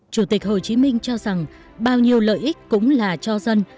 chủ tịch hồ chí minh cho rằng bao nhiêu lợi ích cũng là cho dân